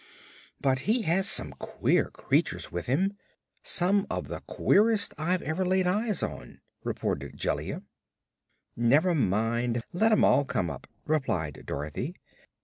"But he has some queer creatures with him some of the queerest I've ever laid eyes on," reported Jellia. "Never mind; let 'em all come up," replied Dorothy.